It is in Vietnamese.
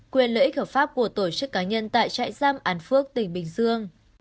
quyền lợi ích hợp pháp của tổ chức cá nhân tại trại giam an phước tỉnh bình dương